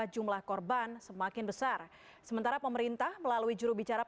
dok kita harus berbicara